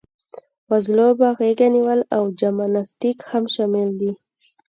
وزلوبه، غېږه نیول او جمناسټیک هم شامل دي.